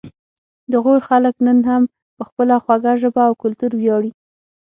د غور خلک نن هم په خپله خوږه ژبه او کلتور ویاړي